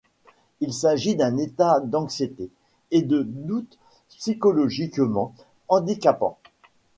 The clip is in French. Il s'agit d'un état d'anxiété et de doutes psychologiquement handicapant.